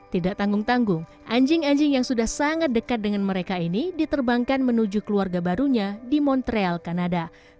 tidak tanggung tanggung anjing anjing yang sudah sangat dekat dengan mereka ini diterbangkan menuju keluarga barunya di montreal kanada